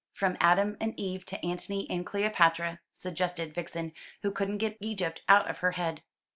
"From Adam and Eve to Antony and Cleopatra," suggested Vixen, who couldn't get Egypt out of her head.